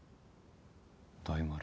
大丸。